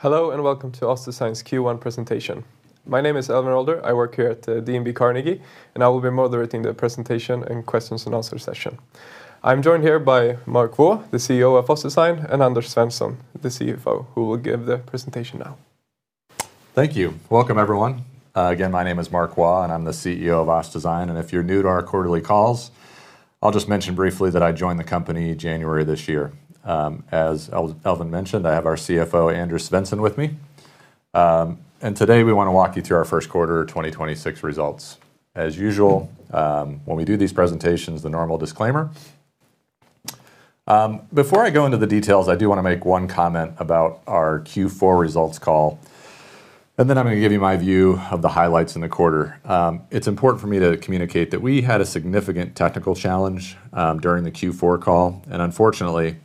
Hello and welcome to OssDsign's Q1 presentation. My name is Elvin Rolder. I work here at DNB Carnegie, and I will be moderating the presentation and questions-and-answer session. I'm joined here by Mark Waugh, the CEO of OssDsign, and Anders Svensson, the CFO, who will give the presentation now. Thank you. Welcome, everyone. Again, my name is Mark Waugh, and I'm the CEO of OssDsign. If you're new to our quarterly calls, I'll just mention briefly that I joined the company January this year. As Elvin Rolder mentioned, I have our CFO, Anders Svensson, with me. Today we want to walk you through our Q1 2026 results. As usual, when we do these presentations, the normal disclaimer. Before I go into the details, I do want to make one comment about our Q4 results call, and then I'm going to give you my view of the highlights in the quarter. It's important for me to communicate that we had a significant technical challenge during the Q4 call. Unfortunately,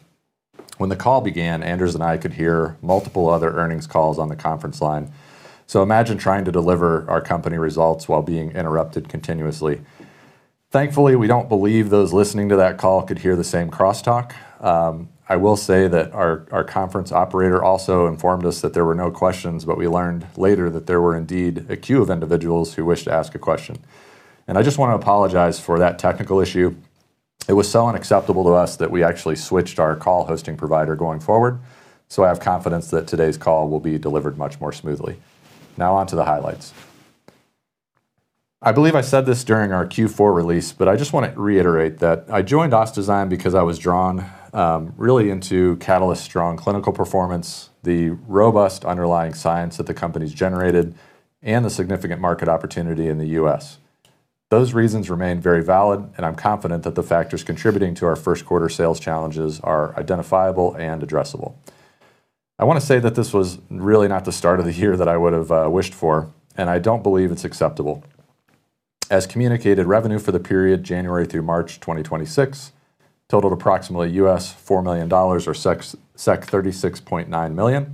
when the call began, Anders and I could hear multiple other earnings calls on the conference line. Imagine trying to deliver our company results while being interrupted continuously. Thankfully, we don't believe those listening to that call could hear the same crosstalk. I will say that our conference operator also informed us that there were no questions, but we learned later that there were indeed a queue of individuals who wished to ask a question. I just want to apologize for that technical issue. It was so unacceptable to us that we actually switched our call hosting provider going forward, so I have confidence that today's call will be delivered much more smoothly. On to the highlights. I believe I said this during our Q4 release, but I just want to reiterate that I joined OssDsign because I was drawn, really into Catalyst's strong clinical performance, the robust underlying science that the company's generated, and the significant market opportunity in the U.S. Those reasons remain very valid, I'm confident that the factors contributing to our Q1 sales challenges are identifiable and addressable. I want to say that this was really not the start of the year that I would have wished for, I don't believe it's acceptable. As communicated, revenue for the period January through March 2026 totaled approximately $4 million or 36.9 million,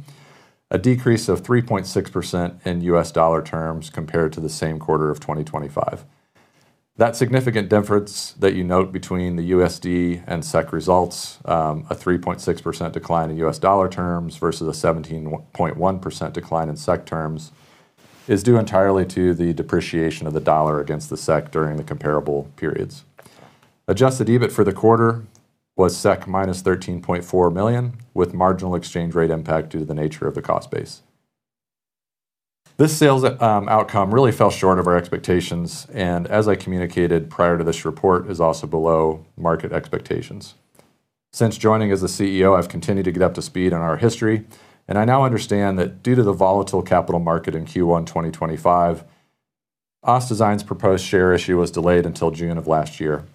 a decrease of 3.6% in U.S. dollar terms compared to the same quarter of 2025. That significant difference that you note between the USD and SEK results, a 3.6% decline in USD terms versus a 17.1% decline in SEK terms, is due entirely to the depreciation of the USD against the SEK during the comparable periods. Adjusted EBIT for the quarter was SEK minus 13.4 million, with marginal exchange rate impact due to the nature of the cost base. This sales outcome really fell short of our expectations, and as I communicated prior to this report, is also below market expectations. Since joining as the CEO, I've continued to get up to speed on our history, and I now understand that due to the volatile capital market in Q1 2025, OssDsign's proposed share issue was delayed until June of last year.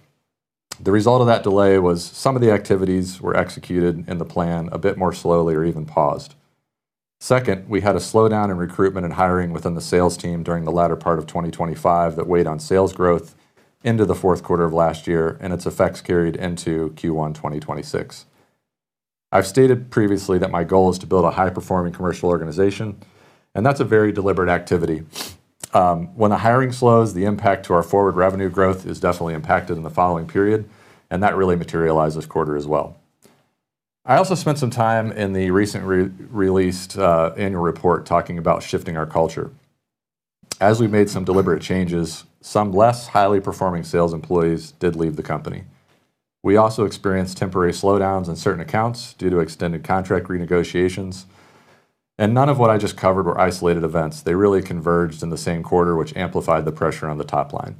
The result of that delay was some of the activities were executed in the plan a bit more slowly or even paused. Second, we had a slowdown in recruitment and hiring within the sales team during the latter part of 2025 that weighed on sales growth into the Q4 of last year, and its effects carried into Q1 2026. I've stated previously that my goal is to build a high-performing commercial organization, that's a very deliberate activity. When the hiring slows, the impact to our forward revenue growth is definitely impacted in the following period, that really materialized this quarter as well. I also spent some time in the recent re-released annual report talking about shifting our culture. As we made some deliberate changes, some less highly performing sales employees did leave the company. We also experienced temporary slowdowns in certain accounts due to extended contract renegotiations. None of what I just covered were isolated events. They really converged in the same quarter, which amplified the pressure on the top line.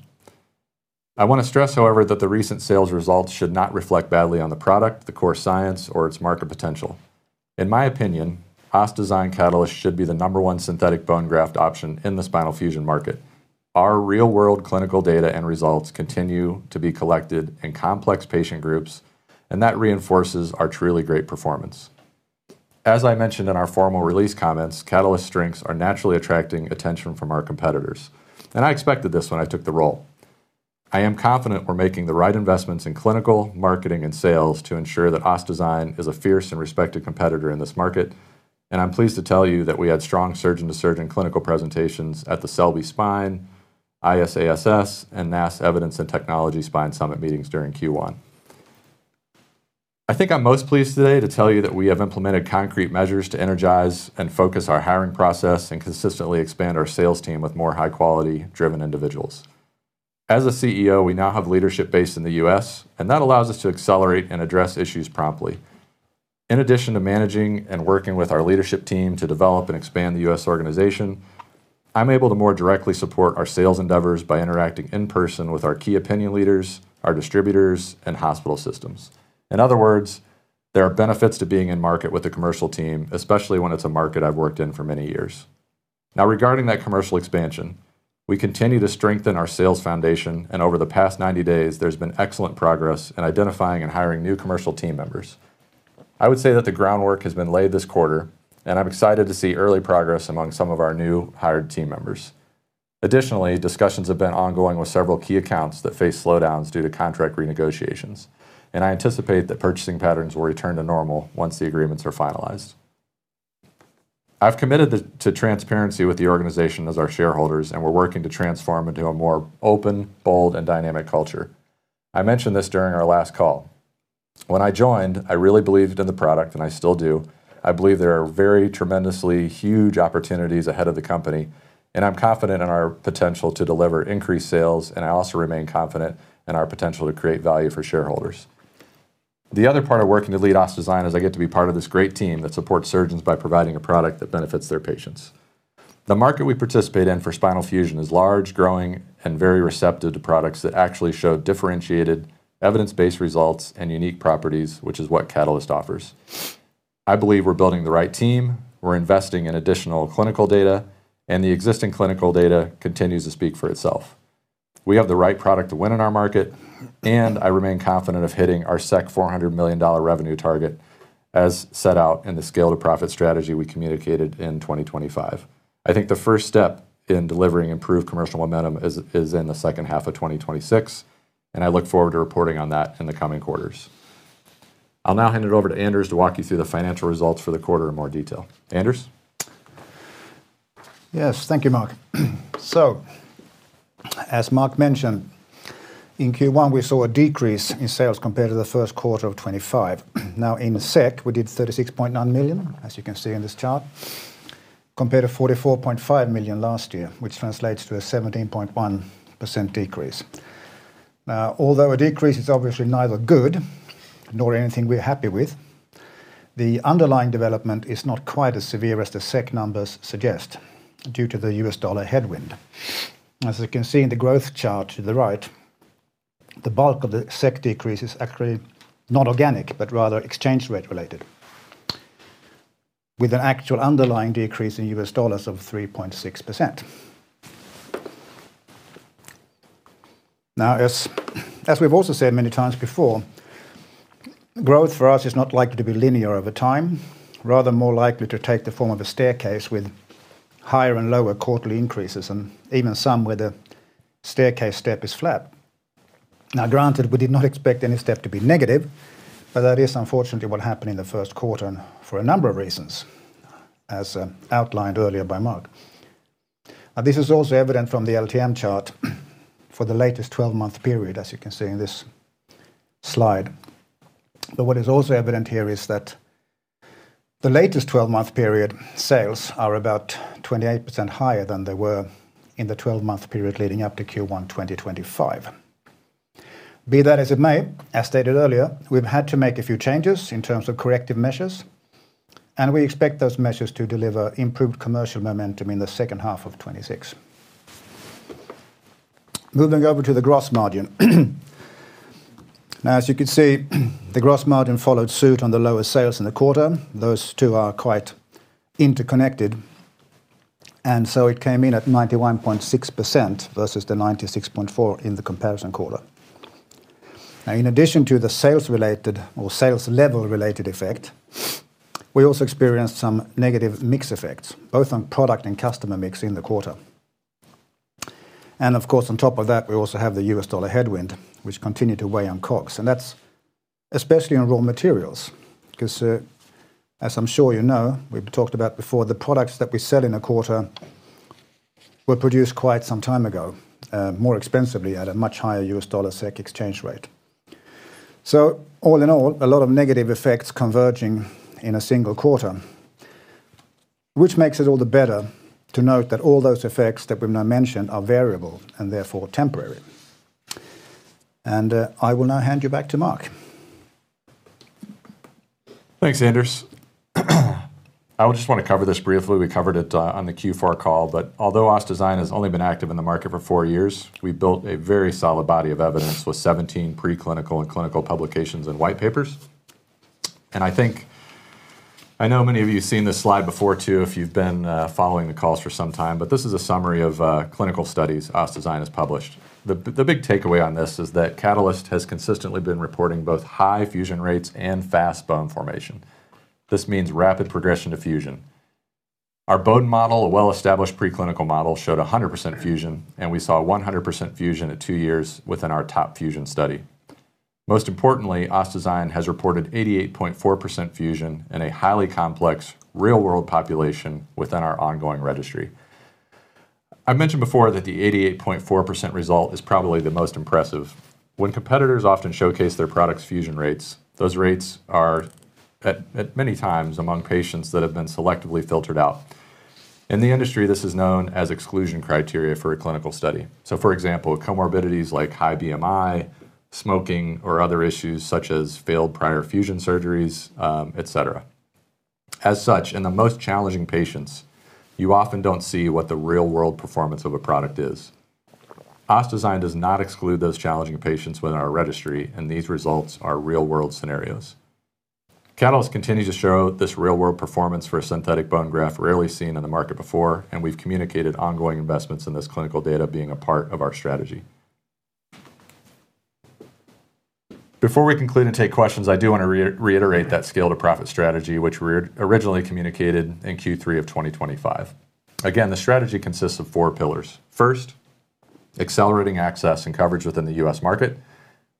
I want to stress, however, that the recent sales results should not reflect badly on the product, the core science, or its market potential. In my opinion, OssDsign Catalyst should be the number one synthetic bone graft option in the spinal fusion market. Our real-world clinical data and results continue to be collected in complex patient groups. That reinforces our truly great performance. As I mentioned in our formal release comments, Catalyst's strengths are naturally attracting attention from our competitors. I expected this when I took the role. I am confident we're making the right investments in clinical, marketing, and sales to ensure that OssDsign is a fierce and respected competitor in this market, and I'm pleased to tell you that we had strong surgeon-to-surgeon clinical presentations at the Selby Spine, ISASS, and NASS Evidence and Technology Spine Summit meetings during Q1. I think I'm most pleased today to tell you that we have implemented concrete measures to energize and focus our hiring process and consistently expand our sales team with more high-quality driven individuals. As a CEO, we now have leadership based in the U.S., and that allows us to accelerate and address issues promptly. In addition to managing and working with our leadership team to develop and expand the U.S. organization, I'm able to more directly support our sales endeavors by interacting in person with our key opinion leaders, our distributors, and hospital systems. In other words, there are benefits to being in market with the commercial team, especially when it's a market I've worked in for many years. Regarding that commercial expansion, we continue to strengthen our sales foundation, and over the past 90 days, there's been excellent progress in identifying and hiring new commercial team members. I would say that the groundwork has been laid this quarter, and I'm excited to see early progress among some of our new hired team members. Additionally, discussions have been ongoing with several key accounts that face slowdowns due to contract renegotiations, and I anticipate that purchasing patterns will return to normal once the agreements are finalized. I've committed to transparency with the organization as our shareholders, and we're working to transform into a more open, bold, and dynamic culture. I mentioned this during our last call. When I joined, I really believed in the product, and I still do. I believe there are very tremendously huge opportunities ahead of the company, and I'm confident in our potential to deliver increased sales, and I also remain confident in our potential to create value for shareholders. The other part of working to lead OssDsign is I get to be part of this great team that supports surgeons by providing a product that benefits their patients. The market we participate in for spinal fusion is large, growing, and very receptive to products that actually show differentiated evidence-based results and unique properties, which is what Catalyst offers. I believe we're building the right team, we're investing in additional clinical data, and the existing clinical data continues to speak for itself. We have the right product to win in our market. I remain confident of hitting our SEK 400 million revenue target as set out in the scale to profit strategy we communicated in 2025. I think the first step in delivering improved commercial momentum is in the H2 of 2026, and I look forward to reporting on that in the coming quarters. I'll now hand it over to Anders to walk you through the financial results for the quarter in more detail. Anders? Yes. Thank you, Mark. As Mark mentioned, in Q1, we saw a decrease in sales compared to the Q1 of 2025. In SEK, we did 36.9 million, as you can see in this chart, compared to 44.5 million last year, which translates to a 17.1% decrease. Although a decrease is obviously neither good nor anything we're happy with, the underlying development is not quite as severe as the SEK numbers suggest due to the US dollar headwind. As you can see in the growth chart to the right, the bulk of the SEK decrease is actually not organic, but rather exchange rate related, with an actual underlying decrease in US dollars of 3.6%. As we've also said many times before, growth for us is not likely to be linear over time, rather more likely to take the form of a staircase with higher and lower quarterly increases and even some where the staircase step is flat. Granted, we did not expect any step to be negative, but that is unfortunately what happened in the Q1 and for a number of reasons, as outlined earlier by Mark. This is also evident from the LTM chart for the latest 12-month period, as you can see in this slide. What is also evident here is that the latest 12-month period sales are about 28% higher than they were in the 12-month period leading up to Q1 2025. Be that as it may, as stated earlier, we've had to make a few changes in terms of corrective measures, and we expect those measures to deliver improved commercial momentum in the H1 of 2026. Moving over to the gross margin. As you can see, the gross margin followed suit on the lower sales in the quarter. Those two are quite interconnected, it came in at 91.6% versus the 96.4 in the comparison quarter. In addition to the sales-related or sales level related effect, we also experienced some negative mix effects, both on product and customer mix in the quarter. Of course, on top of that, we also have the US dollar headwind, which continued to weigh on COGS. That's especially on raw materials because, as I'm sure you know, we've talked about before, the products that we sell in a quarter were produced quite some time ago, more expensively at a much higher US dollar SEK exchange rate. All in all, a lot of negative effects converging in a single quarter, which makes it all the better to note that all those effects that we've now mentioned are variable and therefore temporary. I will now hand you back to Mark. Thanks, Anders. I just want to cover this briefly. We covered it on the Q4 call. Although OssDsign has only been active in the market for four years, we built a very solid body of evidence with 17 preclinical and clinical publications and white papers. I think I know many of you seen this slide before too, if you've been following the calls for some time. This is a summary of clinical studies OssDsign has published. The big takeaway on this is that Catalyst has consistently been reporting both high fusion rates and fast bone formation. This means rapid progression to fusion. Our bone model, a well-established preclinical model, showed 100% fusion, and we saw 100% fusion at two years within our TOP FUSION study. Most importantly, OssDsign has reported 88.4% fusion in a highly complex real-world population within our ongoing registry. I mentioned before that the 88.4% result is probably the most impressive. When competitors often showcase their products fusion rates, those rates are at many times among patients that have been selectively filtered out. In the industry, this is known as exclusion criteria for a clinical study. For example, comorbidities like high BMI, smoking, or other issues such as failed prior fusion surgeries, et cetera. As such, in the most challenging patients, you often don't see what the real-world performance of a product is. OssDsign does not exclude those challenging patients within our registry, and these results are real-world scenarios. Catalyst continues to show this real-world performance for a synthetic bone graft rarely seen in the market before. We've communicated ongoing investments in this clinical data being a part of our strategy. Before we conclude and take questions, I do want to reiterate that scale to profit strategy, which we originally communicated in Q3 2025. The strategy consists of four pillars. First, accelerating access and coverage within the U.S. market.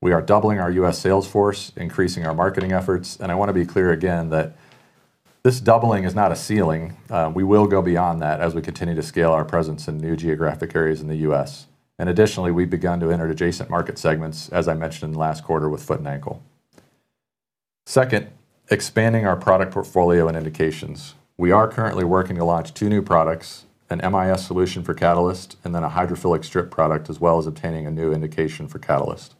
We are doubling our U.S. sales force, increasing our marketing efforts. I want to be clear again. This doubling is not a ceiling. We will go beyond that as we continue to scale our presence in new geographic areas in the U.S. Additionally, we've begun to enter adjacent market segments, as I mentioned last quarter, with foot and ankle. Second, expanding our product portfolio and indications. We are currently working to launch two new products, an MIS solution for Catalyst, and then a hydrophilic strip product, as well as obtaining a new indication for Catalyst.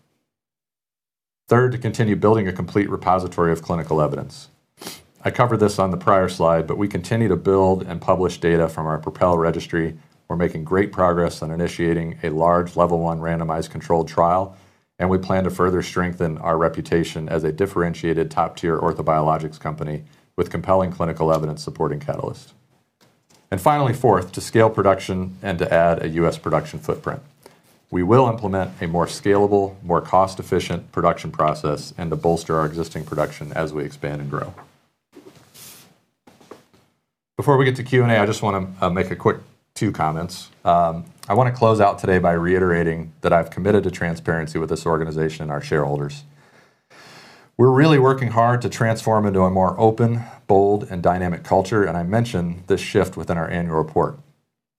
Third, to continue building a complete repository of clinical evidence. I covered this on the prior slide, but we continue to build and publish data from our PROPEL registry. We're making great progress on initiating a large level 1 randomized controlled trial, and we plan to further strengthen our reputation as a differentiated top-tier orthobiologics company with compelling clinical evidence supporting Catalyst. Finally, fourth, to scale production and to add a U.S. production footprint. We will implement a more scalable, more cost-efficient production process and to bolster our existing production as we expand and grow. Before we get to Q&A, I just want to make a quick two comments. I want to close out today by reiterating that I've committed to transparency with this organization and our shareholders. We're really working hard to transform into a more open, bold, and dynamic culture, and I mention this shift within our annual report.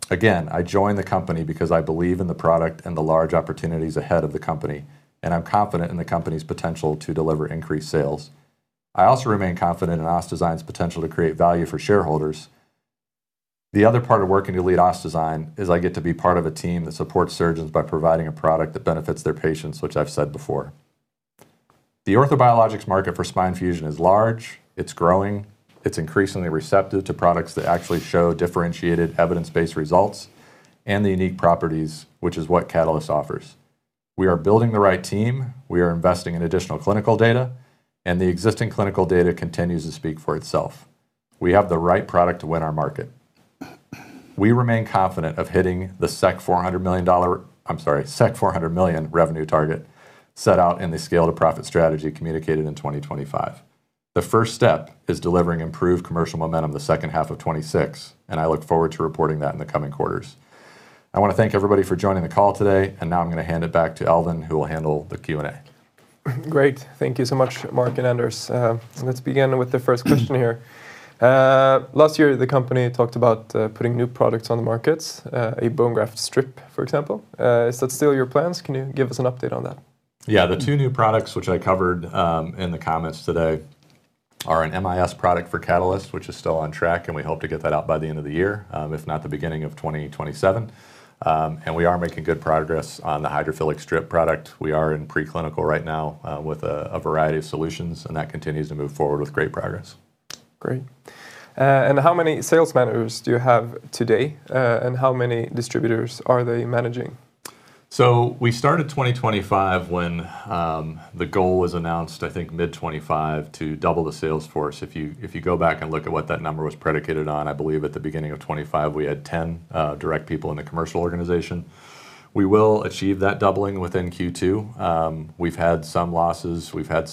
Again, I joined the company because I believe in the product and the large opportunities ahead of the company, and I'm confident in the company's potential to deliver increased sales. I also remain confident in OssDsign's potential to create value for shareholders. The other part of working to lead OssDsign is I get to be part of a team that supports surgeons by providing a product that benefits their patients, which I've said before. The orthobiologics market for spine fusion is large, it's growing, it's increasingly receptive to products that actually show differentiated evidence-based results and the unique properties, which is what Catalyst offers. We are building the right team, we are investing in additional clinical data, and the existing clinical data continues to speak for itself. We have the right product to win our market. We remain confident of hitting the 400 million revenue target set out in the scale to profit strategy communicated in 2025. The first step is delivering improved commercial momentum the H2 of 2026, I look forward to reporting that in the coming quarters. I want to thank everybody for joining the call today, now I'm going to hand it back to Elvin, who will handle the Q&A. Great. Thank you so much, Mark and Anders. Let's begin with the first question here. Last year the company talked about putting new products on the markets, a bone graft strip, for example. Is that still your plans? Can you give us an update on that? Yeah. The two new products which I covered, in the comments today are an MIS product for Catalyst, which is still on track, and we hope to get that out by the end of the year, if not the beginning of 2027. We are making good progress on the hydrophilic strip product. We are in preclinical right now, with a variety of solutions, and that continues to move forward with great progress. Great. How many sales managers do you have today, and how many distributors are they managing? We started 2025 when, the goal was announced, I think mid 2025, to double the sales force. If you, if you go back and look at what that number was predicated on, I believe at the beginning of 2025 we had 10 direct people in the commercial organization. We will achieve that doubling within Q2. We've had some losses. We've had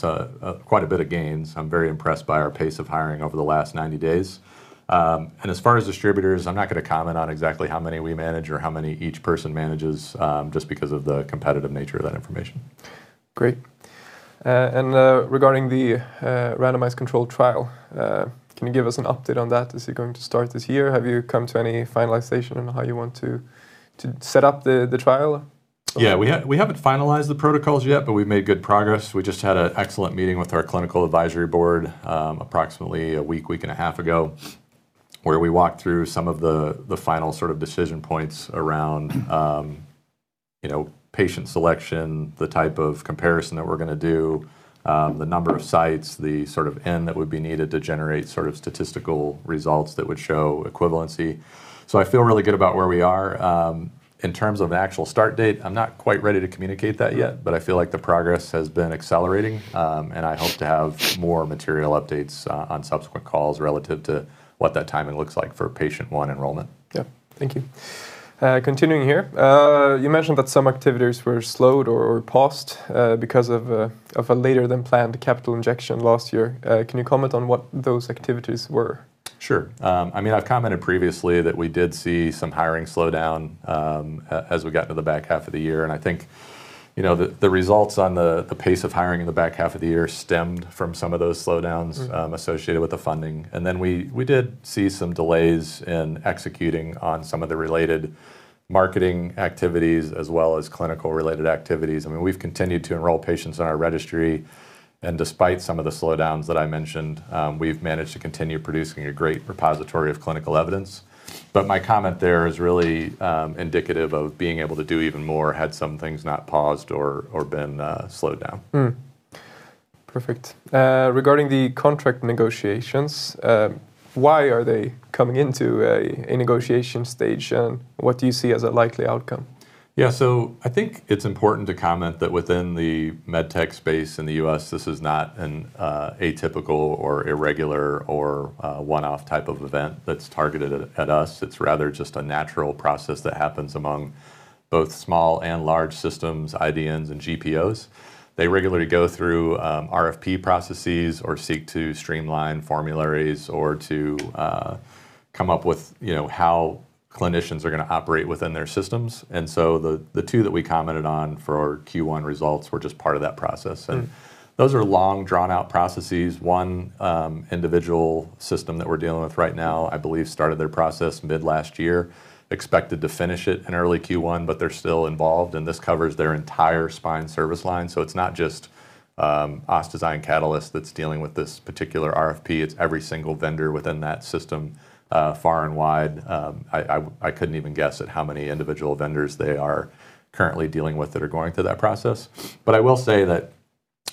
quite a bit of gains. I'm very impressed by our pace of hiring over the last 90 days. And as far as distributors, I'm not going to comment on exactly how many we manage or how many each person manages, just because of the competitive nature of that information. Great. Regarding the randomized controlled trial, can you give us an update on that? Is it going to start this year? Have you come to any finalization on how you want to set up the trial? Yeah, we haven't finalized the protocols yet, but we've made good progress. We just had an excellent meeting with our clinical advisory board, approximately a week and a half ago, where we walked through some of the final sort of decision points around, you know, patient selection, the type of comparison that we're going to do, the number of sites, the sort of end that would be needed to generate sort of statistical results that would show equivalency. I feel really good about where we are. In terms of the actual start date, I'm not quite ready to communicate that yet, but I feel like the progress has been accelerating, and I hope to have more material updates on subsequent calls relative to what that timing looks like for patient one enrollment. Yeah. Thank you. Continuing here, you mentioned that some activities were slowed or paused, because of a later-than-planned capital injection last year. Can you comment on what those activities were? Sure. I mean, I've commented previously that we did see some hiring slow down as we got to the back half of the year. I think, you know, the results on the pace of hiring in the back half of the year stemmed from some of those slowdowns. associated with the funding. Then we did see some delays in executing on some of the related marketing activities as well as clinical-related activities. I mean, we've continued to enroll patients in our registry, and despite some of the slowdowns that I mentioned, we've managed to continue producing a great repository of clinical evidence. My comment there is really indicative of being able to do even more had some things not paused or been slowed down. Perfect. Regarding the contract negotiations, why are they coming into a negotiation stage, and what do you see as a likely outcome? I think it's important to comment that within the medtech space in the US, this is not an atypical or irregular or one-off type of event that's targeted at us. It's rather just a natural process that happens among both small and large systems, IDNs and GPOs. They regularly go through RFP processes or seek to streamline formularies or to come up with, you know, how clinicians are going to operate within their systems. The two that we commented on for our Q1 results were just part of that process. Those are long, drawn-out processes. One individual system that we're dealing with right now, I believe, started their process mid last year, expected to finish it in early Q1, but they're still involved, and this covers their entire spine service line, so it's not just OssDsign Catalyst that's dealing with this particular RFP. It's every single vendor within that system, far and wide. I couldn't even guess at how many individual vendors they are currently dealing with that are going through that process. I will say that,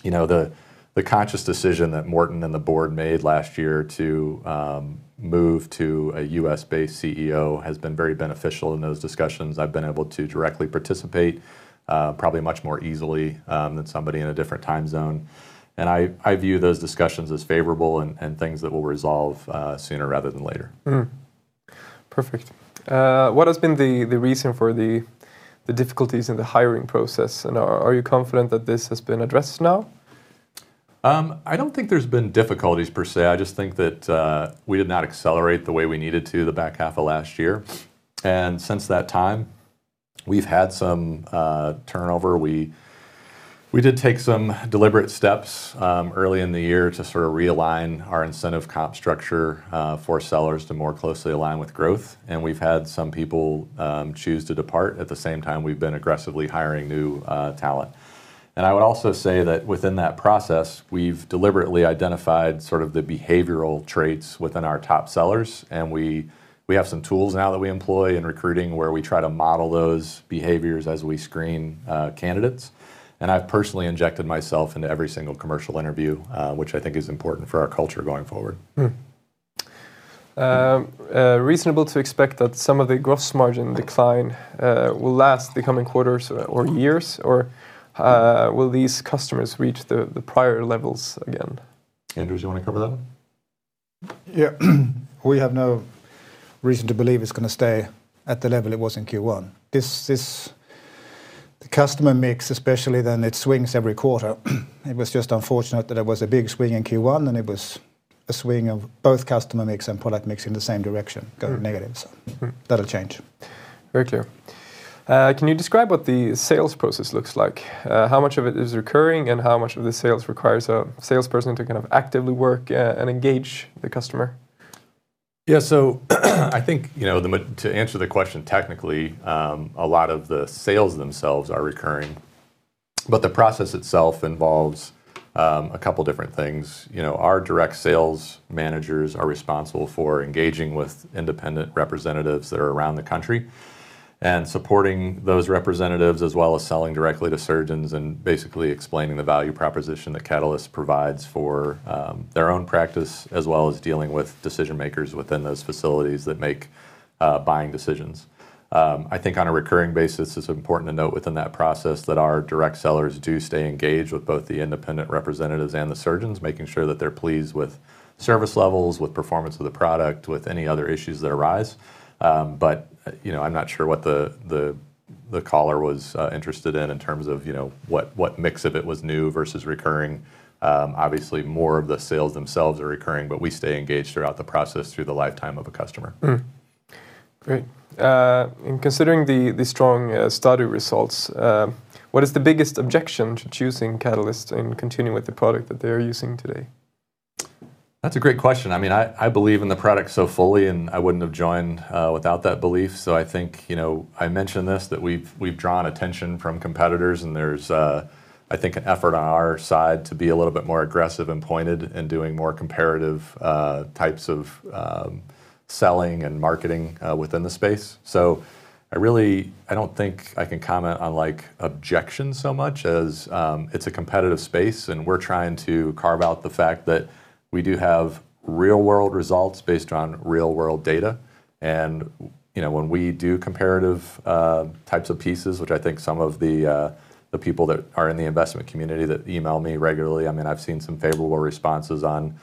you know, the conscious decision that Morton and the board made last year to move to a U.S.-based CEO has been very beneficial in those discussions. I've been able to directly participate, probably much more easily than somebody in a different time zone. I view those discussions as favorable and things that will resolve sooner rather than later. Perfect. What has been the reason for the difficulties in the hiring process, and are you confident that this has been addressed now? I don't think there's been difficulties per se. I just think that we did not accelerate the way we needed to the back half of last year. Since that time, we've had some turnover. We did take some deliberate steps early in the year to sort of realign our incentive comp structure for sellers to more closely align with growth, and we've had some people choose to depart. At the same time, we've been aggressively hiring new talent. I would also say that within that process, we've deliberately identified sort of the behavioral traits within our top sellers, and we have some tools now that we employ in recruiting where we try to model those behaviors as we screen candidates. I've personally injected myself into every single commercial interview, which I think is important for our culture going forward. Reasonable to expect that some of the gross margin decline will last the coming quarters or years? Will these customers reach the prior levels again? Anders, you want to cover that one? Yeah. We have no reason to believe it's going to stay at the level it was in Q1. The customer mix especially then it swings every quarter. It was just unfortunate that it was a big swing in Q1, and it was a swing of both customer mix and product mix in the same direction, go negative. That'll change. Very clear. Can you describe what the sales process looks like? How much of it is recurring, and how much of the sales requires a salesperson to kind of actively work and engage the customer? I think, you know, to answer the question technically, a lot of the sales themselves are recurring, but the process itself involves a couple different things. You know, our direct sales managers are responsible for engaging with independent representatives that are around the country and supporting those representatives as well as selling directly to surgeons and basically explaining the value proposition that Catalyst provides for their own practice as well as dealing with decision-makers within those facilities that make buying decisions. I think on a recurring basis, it's important to note within that process that our direct sellers do stay engaged with both the independent representatives and the surgeons, making sure that they're pleased with service levels, with performance of the product, with any other issues that arise. You know, I'm not sure what the caller was interested in in terms of, you know, what mix of it was new versus recurring. Obviously, more of the sales themselves are recurring, but we stay engaged throughout the process through the lifetime of a customer. Great. In considering the strong study results, what is the biggest objection to choosing Catalyst and continuing with the product that they are using today? That's a great question. I mean, I believe in the product so fully, and I wouldn't have joined, without that belief. So I think, you know, I mentioned this, that we've drawn attention from competitors, and there's, I think an effort on our side to be a little bit more aggressive and pointed in doing more comparative, types of, selling and marketing, within the space. So I really, I don't think I can comment on, like, objections so much as, it's a competitive space, and we're trying to carve out the fact that we do have real-world results based on real-world data. You know, when we do comparative types of pieces, which I think some of the people that are in the investment community that email me regularly, I mean, I've seen some favorable responses on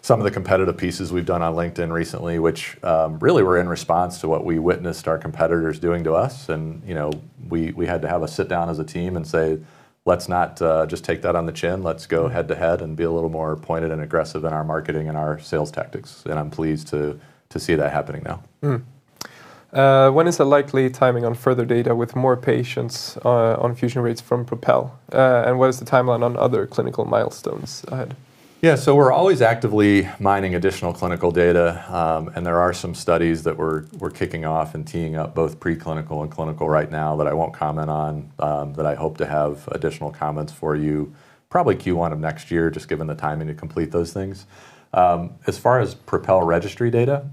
some of the competitive pieces we've done on LinkedIn recently, which really were in response to what we witnessed our competitors doing to us. You know, we had to have a sit-down as a team and say, "Let's not just take that on the chin." Let's go head-to-head and be a little more pointed and aggressive in our marketing and our sales tactics. I'm pleased to see that happening now. When is the likely timing on further data with more patients on fusion rates from PROPEL, and what is the timeline on other clinical milestones ahead? Yeah. We're always actively mining additional clinical data, and there are some studies that we're kicking off and teeing up both preclinical and clinical right now that I won't comment on, that I hope to have additional comments for you probably Q1 of next year just given the timing to complete those things. As far as PROPEL registry data,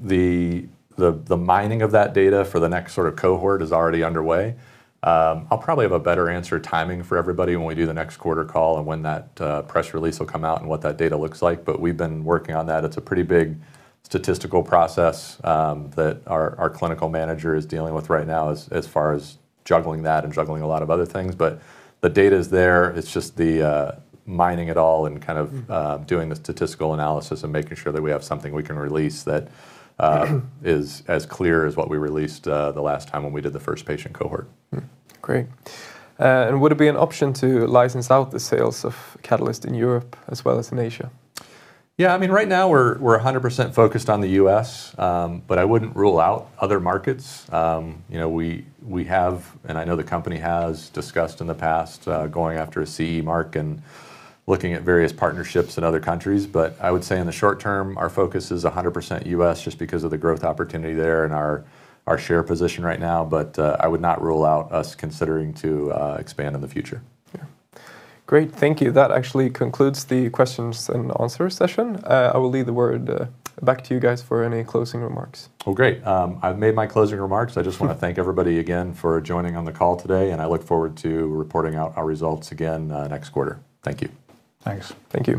the mining of that data for the next sort of cohort is already underway. I'll probably have a better answer timing for everybody when we do the next quarter call and when that press release will come out and what that data looks like. We've been working on that. It's a pretty big statistical process that our clinical manager is dealing with right now as far as juggling that and juggling a lot of other things. The data's there. It's just the mining it all. doing the statistical analysis and making sure that we have something we can release that is as clear as what we released, the last time when we did the first patient cohort. Great. Would it be an option to license out the sales of Catalyst in Europe as well as in Asia? Yeah. I mean, right now we're 100% focused on the U.S., I wouldn't rule out other markets. You know, we have, and I know the company has discussed in the past, going after a CE mark and looking at various partnerships in other countries. I would say in the short term, our focus is 100% U.S. just because of the growth opportunity there and our share position right now. I would not rule out us considering to expand in the future. Yeah. Great. Thank you. That actually concludes the questions and answer session. I will leave the word back to you guys for any closing remarks. Well, great. I've made my closing remarks. Sure. I just wanna thank everybody again for joining on the call today, and I look forward to reporting out our results again, next quarter. Thank you. Thanks. Thank you.